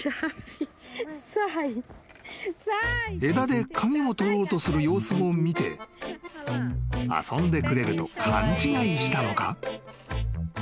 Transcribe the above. ［枝で鍵を取ろうとする様子を見て遊んでくれると勘違いしたのか？］